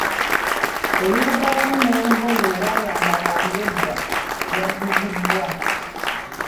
Olubugo wamu n'obugoye obwayambalwanga edda byadibizibwa.